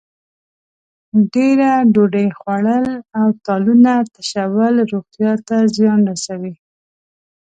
ډېره ډوډۍ خوړل او تالونه تشول روغتیا ته زیان رسوي.